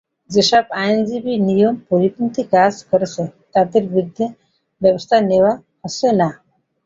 যেসব আইনজীবী নিয়ম পরিপন্থী কাজ করছেন, তাঁদের বিরুদ্ধে ব্যবস্থা নেওয়া হচ্ছে না।